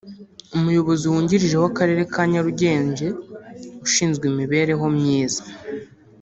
Umuyobozi wungirije w’Akarere ka Nyarugenge ushinzwe imibereho myiza